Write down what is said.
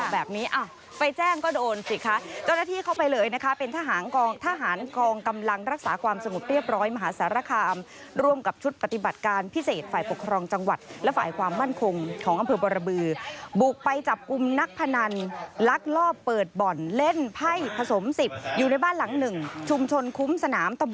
แบบนี้ไปแจ้งก็โดนสิคะเจ้าหน้าที่เข้าไปเลยนะคะเป็นทหารกองทหารกองกำลังรักษาความสงบเรียบร้อยมหาสารคามร่วมกับชุดปฏิบัติการพิเศษฝ่ายปกครองจังหวัดและฝ่ายความมั่นคงของอำเภอบรบือบุกไปจับกลุ่มนักพนันลักลอบเปิดบ่อนเล่นไพ่ผสม๑๐อยู่ในบ้านหลังหนึ่งชุมชนคุ้มสนามต